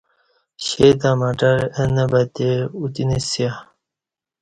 شہ تہ مٹر اں نہ بتے اتینسیا